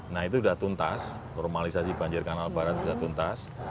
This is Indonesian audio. nah itu sudah tuntas normalisasi banjir kanal barat sudah tuntas